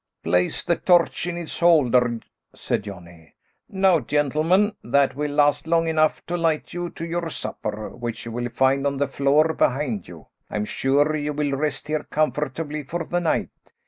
"Place the torch in its holder," said Johnny. "Now, gentlemen, that will last long enough to light you to your supper, which you will find on the floor behind you. I'm sure you will rest here comfortably for the night.